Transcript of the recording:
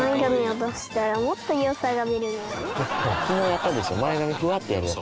昨日やったでしょ前髪ふわっとやるやつ。